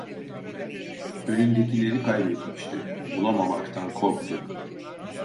Önündekileri kaybetmişti, bulamamaktan korktu.